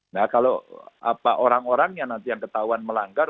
nah kalau orang orang yang nanti yang ketahuan melanggar